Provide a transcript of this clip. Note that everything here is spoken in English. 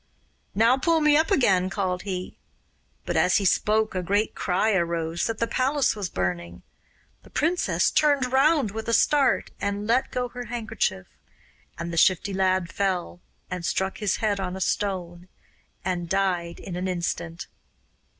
'Now pull me up again,' called he; but as he spoke a great cry arose that the palace was burning. The princess turned round with a start, and let go her handkerchief, and the Shifty Lad fell, and struck his head on a stone, and died in an instant.